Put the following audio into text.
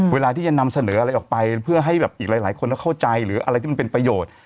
เวลาที่จะนำเสนออะไรออกไปเพื่อให้แบบอีกหลายคนเข้าใจหรืออะไรที่มันเป็นประโยชน์